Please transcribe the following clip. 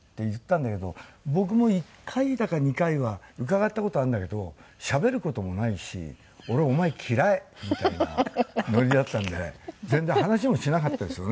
僕も１回だか２回は伺った事あるんだけどしゃべる事もないし「俺お前嫌い！」みたいなノリだったので全然話もしなかったですよね。